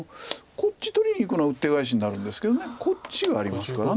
こっち取りにいくのはウッテガエシになるんですけどこっちがありますから。